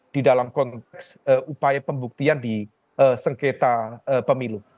di dalam konteks upaya pembuktian di sengketa pemilu